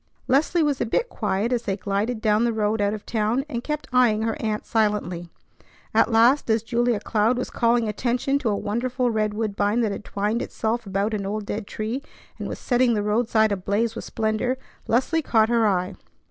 Leslie was a bit quiet as they glided down the road out of town, and kept eyeing her aunt silently. At last, as Julia Cloud was calling attention to a wonderful red woodbine that had twined itself about an old dead tree and was setting the roadside ablaze with splendor, Leslie caught her eye.